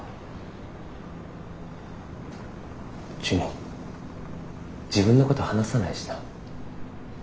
ジュニ自分のこと話さないしな。